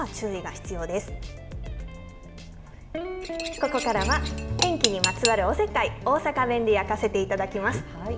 ここからは、天気にまつわるおせっかい、大阪弁でやらせていただきます。